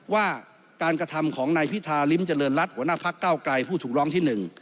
ว่าการกระทำของนายพิธาริมเจริญรัฐหัวหน้าพักเก้าไกลผู้ถูกร้องที่๑